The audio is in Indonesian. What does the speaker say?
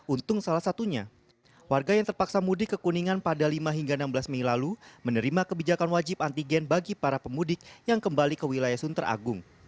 untung salah satunya warga yang terpaksa mudik ke kuningan pada lima hingga enam belas mei lalu menerima kebijakan wajib antigen bagi para pemudik yang kembali ke wilayah sunter agung